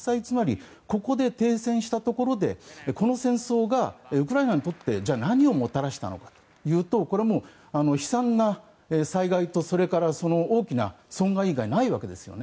ここで停戦したところでこの戦争がウクライナにとって何をもたらしたかというとこれはもう悲惨な災害とそれから、その大きな損害以外ないわけですよね。